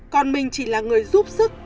còn mình chỉ là người giúp sức